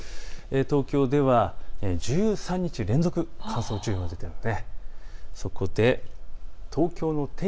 東京ででは１３日連続乾燥注意報が出ています。